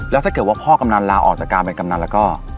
แล้วถ้าเกิดว่าพ่อกำนันลาออกจากการเป็นกำนันแล้วก็